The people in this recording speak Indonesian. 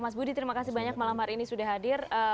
mas budi terima kasih banyak malam hari ini sudah hadir